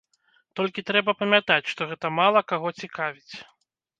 Толькі трэба памятаць, што гэта мала каго цікавіць.